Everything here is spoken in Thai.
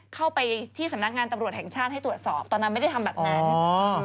เข้าไปที่สำนักงานตำรวจแห่งชาติให้ตรวจสอบตอนนั้นไม่ได้ทำแบบนั้นอืม